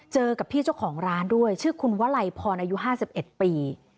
เจอกับพี่เจ้าของด้วยชื่อคุณหวะไหลพรอายุ๕๑ปี